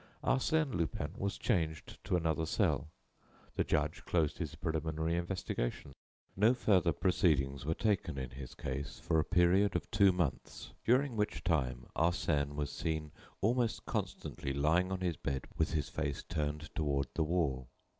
Arsène Lupin was changed to another cell. The judge closed his preliminary investigation. No further proceedings were taken in his case for a period of two months, during which time Arsène was seen almost constantly lying on his bed with his face turned toward the wall.